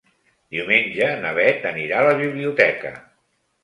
Diumenge na Beth anirà a la biblioteca.